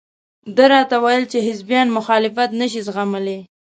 ده راته وویل چې حزبیان مخالفت نشي زغملى.